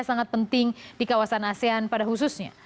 sangat penting di kawasan asean pada khususnya